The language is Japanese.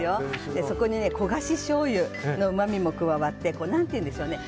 そこに焦がししょうゆのうまみも加わって何ていうんでしょうね